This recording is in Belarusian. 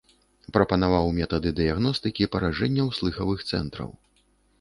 Прапанаваў метады дыягностыкі паражэнняў слыхавых цэнтраў.